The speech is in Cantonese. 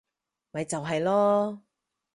咪就係囉